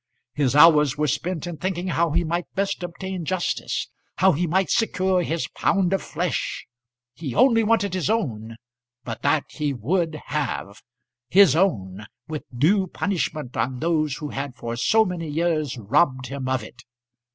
His hours were spent in thinking how he might best obtain justice, how he might secure his pound of flesh. He only wanted his own, but that he would have; his own, with due punishment on those who had for so many years robbed him of it.